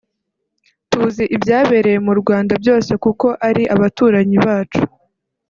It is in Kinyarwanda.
“Tuzi ibyabereye mu Rwanda byose kuko ari abaturanyi bacu